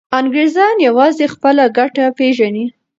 انګریزان یوازې خپله ګټه پیژني.